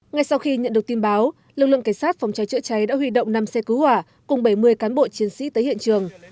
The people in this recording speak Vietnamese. ngay sau khi nhận được tin báo lực lượng cảnh sát phòng cháy chữa cháy đã huy động năm xe cứu hỏa cùng bảy mươi cán bộ chiến sĩ tới hiện trường